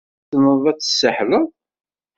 Tessneḍ ad tessihleḍ?